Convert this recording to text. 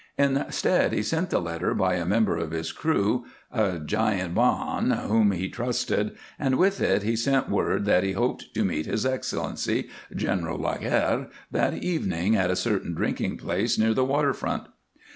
Instead he sent the letter by a member of his crew, a giant 'Bajan whom he trusted, and with it he sent word that he hoped to meet His Excellency, General Laguerre, that evening at a certain drinking place near the water front.